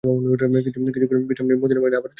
কিছুক্ষণ বিশ্রাম নিয়ে মদীনাবাহিনী আবার চলতে থাকে।